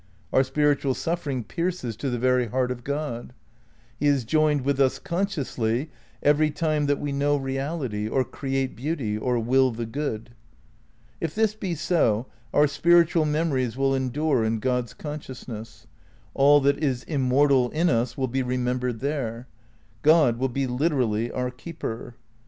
Our spiritual suffering pierces to the very heart of God. He is joined with us consciously every time that we know reality, or create beauty, or will the good. If this be so, our spiritual memories will endure in God's consciousness; all that is immortal in us will be remembered there. God will be literally our keeper.